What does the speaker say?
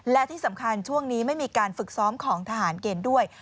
และที่สำคัญช่วงนี้ไม่มีการฝึกซ้อมของทหารเกณฑ์ด้วย